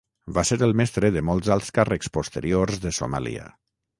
Va ser el mestre de molts alts càrrecs posteriors de Somàlia.